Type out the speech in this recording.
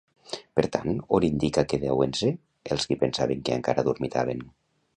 Per tant, on indica que deuen ser els qui pensaven que encara dormitaven?